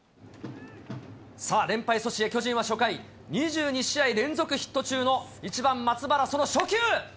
さあ、連敗阻止へ巨人は初回、２２試合連続ヒット中の１番松原、その初球。